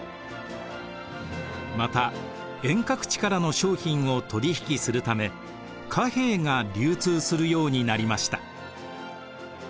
また遠隔地からの商品を取り引きするため貨幣が流通するようになりました。